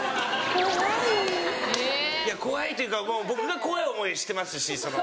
・怖い・・えぇ・いや怖いというか僕が怖い思いしてますしその。